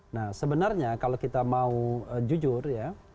nah sebenarnya kalau kita mau jujur ya